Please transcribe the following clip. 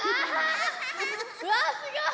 うわすごい！